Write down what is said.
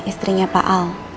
istrinya pak al